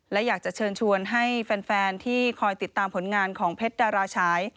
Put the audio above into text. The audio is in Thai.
และอยากจะเชิญชวนให้แฟนที่คอยติดตามผลงานของเพชรดาราชาย